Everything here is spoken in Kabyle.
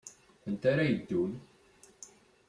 Anta ara yeddun?